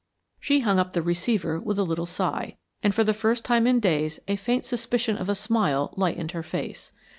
She hung up the receiver with a little sigh, and for the first time in days a faint suspicion of a smile lightened her face.